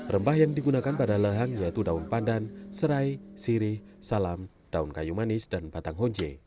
rempah yang digunakan pada lehang yaitu daun pandan serai sirih salam daun kayu manis dan batang honje